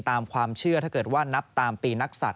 ตามความเชื่อถ้าเกิดว่านับตามปีนักศัตว